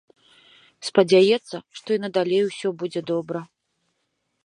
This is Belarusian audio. Спадзяецца, што і надалей ўсё будзе добра.